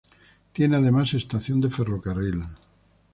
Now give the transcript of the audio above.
Tiene además estación de ferrocarril.